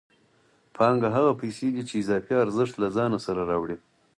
پانګه هغه پیسې دي چې اضافي ارزښت له ځان سره راوړي